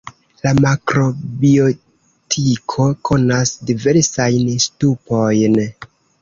La makrobiotiko konas diversajn ŝtupojn.